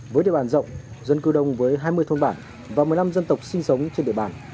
với địa bàn rộng dân cư đông với hai mươi thôn bản và một mươi năm dân tộc sinh sống trên địa bàn